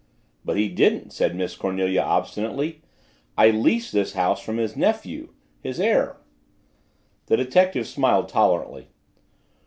"But he didn't," said Miss Cornelia obstinately, "I leased this house from his nephew, his heir." The detective smiled tolerantly.